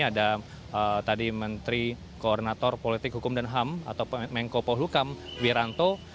ada tadi menteri koordinator politik hukum dan ham atau mengkopol hukam wiranto